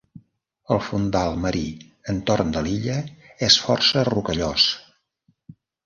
El fondal marí entorn de l'illa és força rocallós.